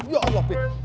ya allah be